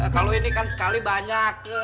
kalau ini kan sekali banyak